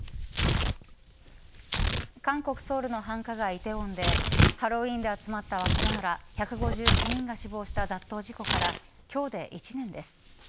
韓国・ソウルの繁華街、梨泰院でハロウィーンで集まった若者ら１５９人が死亡した雑踏事故から今日で１年です。